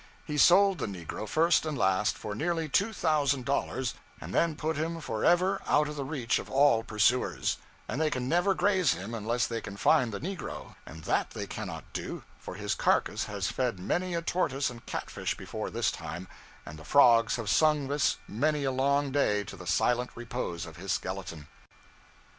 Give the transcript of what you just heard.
He sold the negro, first and last, for nearly two thousand dollars, and then put him for ever out of the reach of all pursuers; and they can never graze him unless they can find the negro; and that they cannot do, for his carcass has fed many a tortoise and catfish before this time, and the frogs have sung this many a long day to the silent repose of his skeleton.'